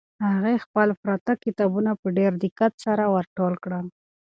هغې خپل پراته کتابونه په ډېر دقت سره ور ټول کړل.